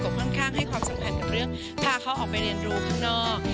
ก็ค่อนข้างให้ความสำคัญกับเรื่องพาเขาออกไปเรียนรู้ข้างนอก